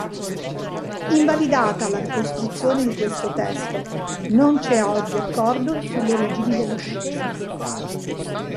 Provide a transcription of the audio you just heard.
Invalidata la ricostruzione di questo testo, non c'è oggi accordo sulle origini dello scisma.